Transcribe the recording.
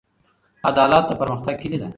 عدالت د پرمختګ کیلي ده.